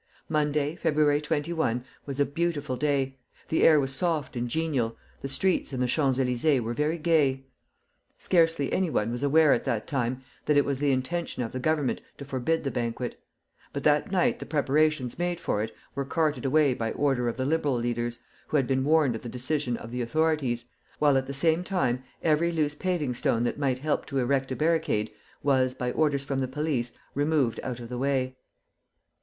Monday, February 21, was a beautiful day, the air was soft and genial, the streets and the Champs Elysées were very gay. Scarcely any one was aware at that time that it was the intention of the Government to forbid the banquet; but that night the preparations made for it were carted away by order of the liberal leaders, who had been warned of the decision of the authorities, while at the same time every loose paving stone that might help to erect a barricade was, by orders from the police, removed out of the way.